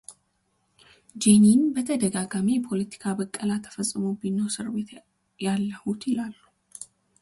ጄኒን በተደጋጋሚ የፖለቲካ ብቀላ ተፈጽሞብኝ ነው እስር ቤት ያለሁት ይላሉ።